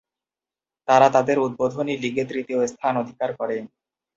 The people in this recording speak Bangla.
তারা তাদের উদ্বোধনী লীগে তৃতীয় স্থান অধিকার করে।